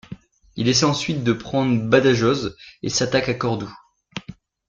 Il essaie ensuite de prendre Badajoz et s’attaque à Cordoue.